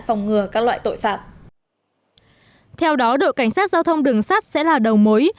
phòng ngừa các loại tội phạm theo đó đội cảnh sát giao thông đường sắt sẽ là đầu mối